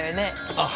あっ！